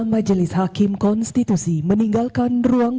baik sidang diskursi kira kira sepuluh menit